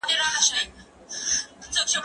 دا مرسته له هغه مهمه ده!!